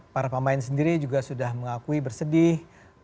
para pemain sendiri juga sudah mengakui bersedih